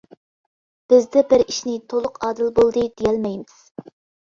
بىزدە بىر ئىشنى تولۇق ئادىل بولدى دېيەلمەيمىز.